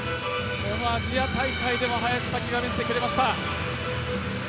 このアジア大会でも林咲希が見せてくれました。